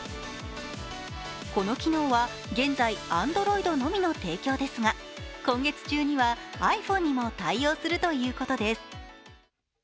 この機能は、現在Ａｎｄｒｏｉｄのみの提供ですが、今月中にはｉＰｈｏｎｅにも対応するということです。